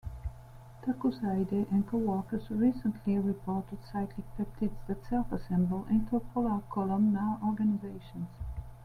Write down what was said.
Takuzo Aida and co-workers recently reported cyclic peptides that self-assemble into polar columnar organizations.